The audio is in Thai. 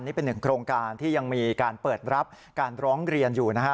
นี่เป็นหนึ่งโครงการที่ยังมีการเปิดรับการร้องเรียนอยู่นะฮะ